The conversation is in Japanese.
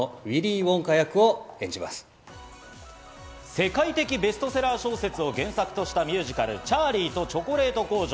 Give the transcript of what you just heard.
世界的ベストセラー小説を原作としたミュージカル『チャーリーとチョコレート工場』。